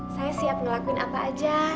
saya siap ngelakuin apa aja